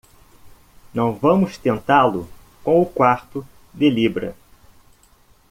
Não vamos tentá-lo com o quarto de libra.